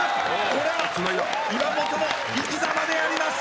これは決まりだ岩本の生きざまであります！